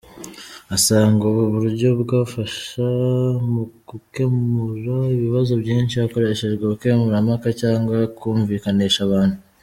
Asanga ubu buryo bwafasha mu gukemura ibibazo byinshi hakoreshejwe ubukemurampaka cyangwa kumvikanisha abantu.